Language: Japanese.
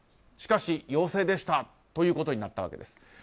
しかし陽性でしたということになったわけです。